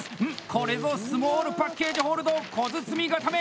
これぞスモールパッケージホールド小包固め！